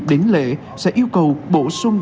đến lễ sẽ yêu cầu bổ sung